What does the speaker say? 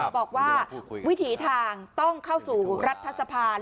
บอกว่าวิถีทางต้องเข้าสู่รัฐสภา